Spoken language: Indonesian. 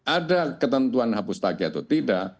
ada ketentuan hapus tagih atau tidak